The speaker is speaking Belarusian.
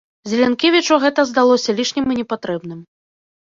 Зелянкевічу гэта здалося лішнім і непатрэбным.